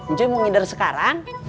ncu mau ngider sekarang